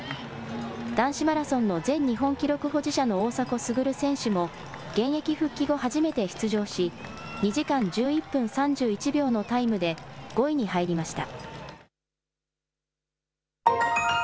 男子マラソンの前日本記録保持者の大迫傑選手も現役復帰後、初めて出場し２時間１１分３１秒のタイムで５位に入りました。